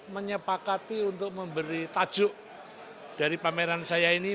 menyepakati untuk memberi tajuk dari pameran saya ini